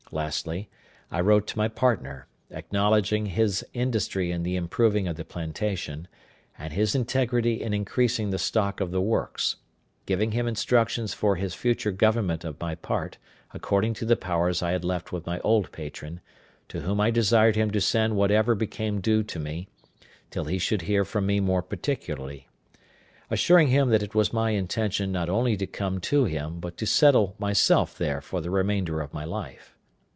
Lastly, I wrote to my partner, acknowledging his industry in the improving the plantation, and his integrity in increasing the stock of the works; giving him instructions for his future government of my part, according to the powers I had left with my old patron, to whom I desired him to send whatever became due to me, till he should hear from me more particularly; assuring him that it was my intention not only to come to him, but to settle myself there for the remainder of my life.